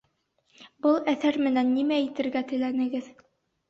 — Был әҫәр менән нимә әйтергә теләнегеҙ?